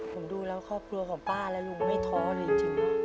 ผมดูแล้วครอบครัวของป้าและลุงไม่ท้อเลยจริง